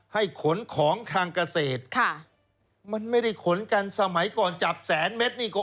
ขนของทางเกษตรค่ะมันไม่ได้ขนกันสมัยก่อนจับแสนเม็ดนี่ก็